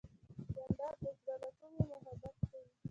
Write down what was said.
جانداد د زړه له کومې محبت کوي.